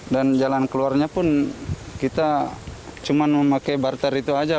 dan jalan keluarnya pun kita cuma memakai barter itu saja